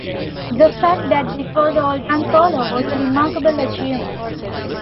The fact that this was all done solo was "a remarkable achievement".